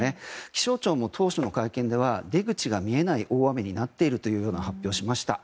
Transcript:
気象庁も当初の会見では出口が見えない大雨になっているという発表をしました。